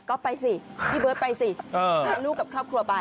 ก็ไปสิพี่เบิร์ตไปสิพาลูกกับครอบครัวไป